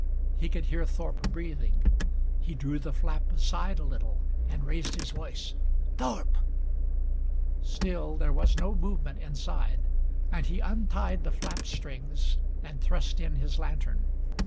He could hear Thorpe breathing. He drew the flap aside a little, and raised his voice. "Thorpe!" Still there was no movement inside, and he untied the flap strings and thrust in his lantern.